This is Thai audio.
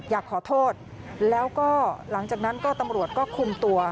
อยากขอโทษแล้วก็หลังจากนั้นก็ตำรวจก็คุมตัว